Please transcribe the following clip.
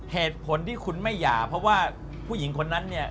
เหตุผลที่คุณไม่หย่าเพราะว่าผู้หญิงคนนั้นเนี่ย